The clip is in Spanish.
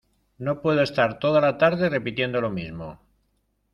no puedo estar toda la tarde repitiendo lo mismo.